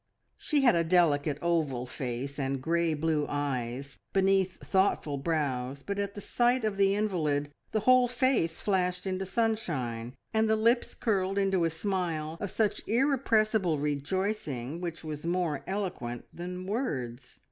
She had a delicate, oval face and grey blue eyes beneath thoughtful brows, but at the sight of the invalid the whole face flashed into sunshine, and the lips curled into a smile of such irrepressible rejoicing which was more eloquent than words.